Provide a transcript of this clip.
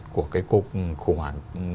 của cái cuộc khủng hoảng